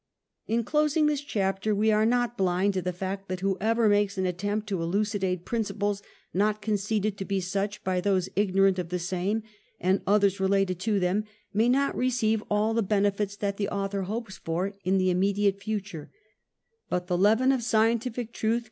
] In closing this chapter, we are not blind to the fact, that whoever makes an attempt to elucidate principles not conceded to be such by those ignorant of the same, and others related to them, may not re ceive all the benefit that the author hopes for, in the immediate future, but the "leaven" of scientific truth a.